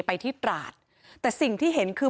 ไปที่ตราดแต่สิ่งที่เห็นคือ